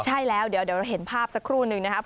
ใช่แล้วเดี๋ยวเราเห็นภาพสักครู่นึงนะครับ